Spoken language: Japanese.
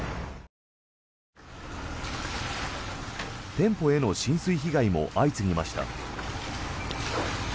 店舗への浸水被害も相次ぎました。